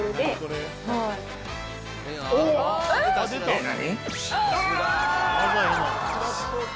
えっ何？